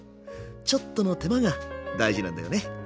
ちょっとの手間が大事なんだよね。